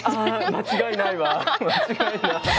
間違いない。